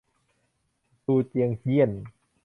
ตูเจียงเยี่ยน